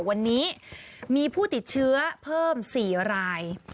วันนี้มีผู้ติดเชื้อเพิ่ม๔ราย